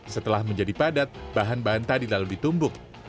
setelah menjadi padat bahan bahan tadi lalu ditumbuk